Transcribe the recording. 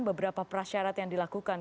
beberapa prasyarat yang dilakukan